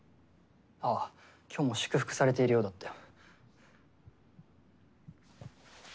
ああ今日も祝福されているようだったよ。